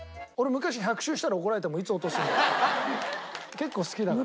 結構好きだから。